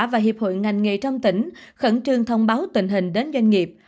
và hiệp hội ngành nghề trong tỉnh khẩn trương thông báo tình hình đến doanh nghiệp